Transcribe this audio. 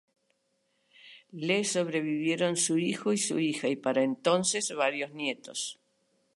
Le sobrevivieron su hijo y su hija y para entonces, varios nietos.